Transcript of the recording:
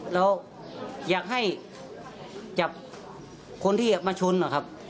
แล้วอยากให้จับควรที่มาชุน